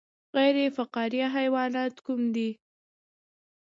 غیر فقاریه حیوانات کوم دي